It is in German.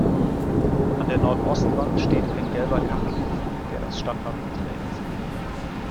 An der Nordostwand steht ein gelber Kachelofen, der das Stadtwappen trägt.